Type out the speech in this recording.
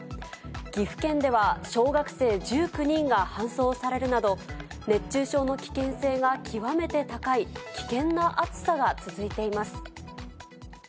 岐阜県では、小学生１９人が搬送されるなど、熱中症の危険性が極めて高い、危険な暑さが続いています。